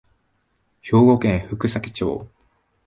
兵庫県福崎町